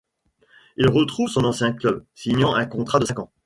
Il retrouve son ancien club, signant un contrat de cinq ans.